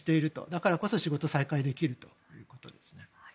だからこそ仕事が再開できるということですね。